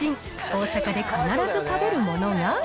大阪で必ず食べるものが。